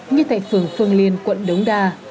như tại phường phương liên quận đống đa